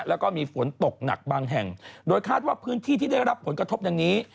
แล้วก็มีฝนตกหนักบางแห่งโดยคาดว่าพื้นที่ที่ได้รับผลกระทบดังนี้